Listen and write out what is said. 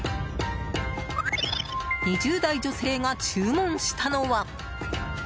２０代女性が注文したのは。